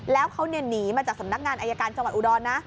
แล้วเขาหนีมาจากสำนักงานอายการจังหวัดอุดรนะ